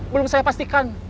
belum saya pastikan